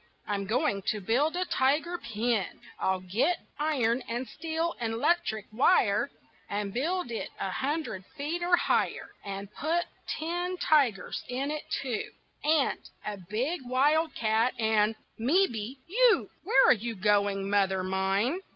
I'm going to build a tiger pen. I'll get iron and steel and 'lectric wire And build it a hundred feet, or higher, And put ten tigers in it too, And a big wildcat, and mebbe you. Where are you going, mother mine?